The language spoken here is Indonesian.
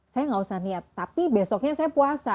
saya nggak usah niat tapi besoknya saya puasa